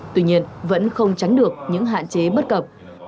tuy nhiên vẫn không tránh được những hạn chế bất cập